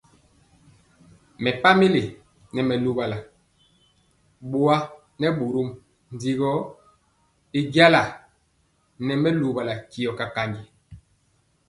Mɛpamili nɛ mɛ luwala bɔa nɛ bórɔm ndi gɔ y jala nɛ mɛlɛmɔ tiɔ kakanji.